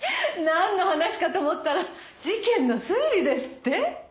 なんの話かと思ったら事件の推理ですって？